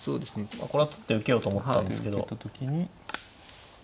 これは取って受けようと思ったんですけど。